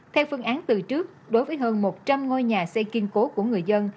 theo phương án từ trước đối với hơn một trăm linh ngôi nhà xây kiên cố của người dân